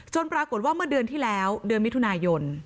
ปรากฏว่าเมื่อเดือนที่แล้วเดือนมิถุนายน